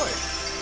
何？